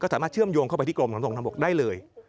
สามารถเชื่อมโยงเข้าไปที่กรมขนส่งทางบกได้เลย